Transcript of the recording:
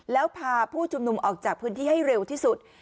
แล้วพาผู้ชุมนุมออกจากพื้นที่ให้เร็วที่สุด